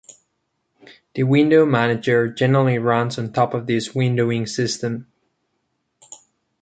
The window manager generally runs on top of this windowing system.